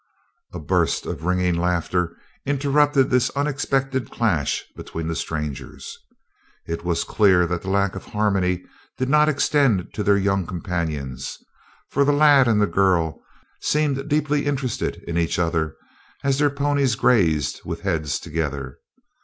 A burst of ringing laughter interrupted this unexpected clash between the strangers. It was clear that the lack of harmony did not extend to their young companions, for the lad and the girl seemed deeply interested in each other as their ponies grazed with heads together.